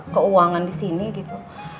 keuangan disini gitu